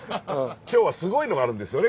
今日はすごいのがあるんですよね